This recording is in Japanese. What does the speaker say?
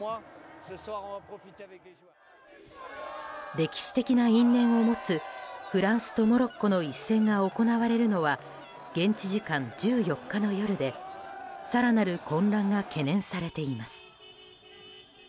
歴史的な因縁を持つフランスとモロッコの一戦が行われるのは現地時間１４日の夜で更なる混乱が懸念されています。